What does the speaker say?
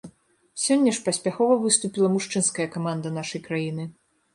Сёння ж паспяхова выступіла мужчынская каманда нашай краіны.